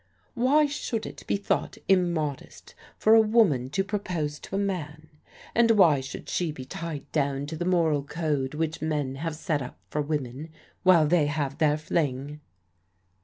Why should it be thought immodest for a woman to propose to a man, and why should she be tied down to 76 PRODIGAL DAUGHTERS the moral code which men have set up for women, while they have their fling